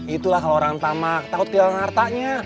itulah kalau orang tamak takut kehilangan hartanya